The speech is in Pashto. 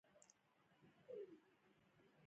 د غلامي ښځې ژوند شل شِکِل نقره ارزښت لري.